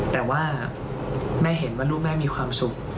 แต่ว่าแม่เห็นว่าลูกแม่มีความสุข